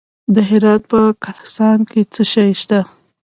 د هرات په کهسان کې څه شی شته؟